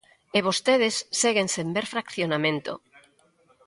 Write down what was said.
E vostedes seguen sen ver fraccionamento.